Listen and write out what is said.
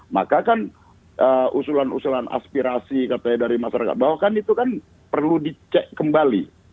maka kan usulan usulan aspirasi katanya dari masyarakat bawah kan itu kan perlu dicek kembali